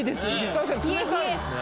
確かに冷たいですね